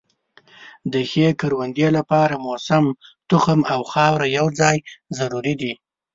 د ښې کروندې لپاره موسم، تخم او خاوره یو ځای ضروري دي.